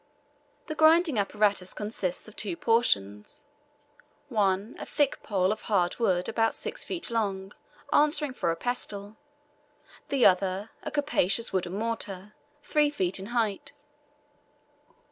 The grinding apparatus consists of two portions: one, a thick pole of hard wood about six feet long, answering for a pestle; the other, a capacious wooden mortar, three feet in height.